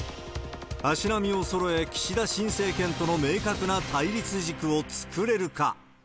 足並みをそろえ、岸田新政権との明確な対立軸を作れるか。